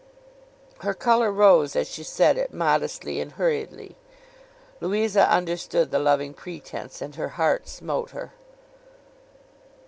Her colour rose as she said it modestly and hurriedly. Louisa understood the loving pretence, and her heart smote her.